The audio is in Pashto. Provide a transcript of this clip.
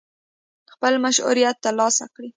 خپل مشروعیت ترلاسه کړي.